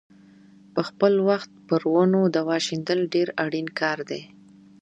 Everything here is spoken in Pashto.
په خپل وخت پر ونو دوا شیندل ډېر اړین کار دی.